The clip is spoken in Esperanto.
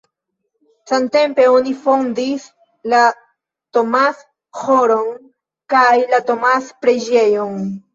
Samtempe oni fondis la Thomas-ĥoron kaj la Thomas-preĝejon.